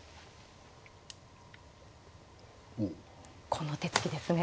この手つきですね